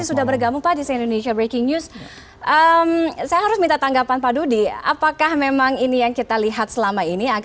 saya harus minta tanggapan pak dudi apakah memang ini yang kita lihat selama ini